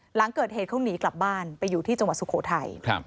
หลังเกิดเหตุเขาหนีกลับบ้านไปอยู่ที่จังหวัดสุโขทัย